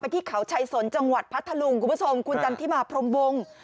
ที่เขาชัยสนจังหวัดพัทธลุงคุณผู้ชมคุณจันทิมาพรมวง